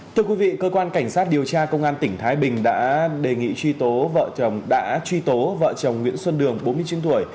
thưa quý vị cơ quan cảnh sát điều tra công an tỉnh thái bình đã đề nghị truy tố vợ chồng nguyễn xuân đường bốn mươi chín tuổi